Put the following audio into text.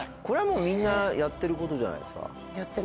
これはもうみんなやってることじゃないですか？